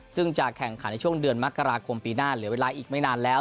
ซึ่งจะแข่งขันในช่วงเดือนมกราคมปีหน้าเหลือเวลาอีกไม่นานแล้ว